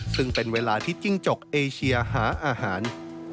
ซึ่งเป็นเวลาที่จิ้งจกเอเชียหาอาหาร